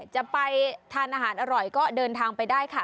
จะไปทานอาหารอร่อยก็เดินทางไปได้ค่ะ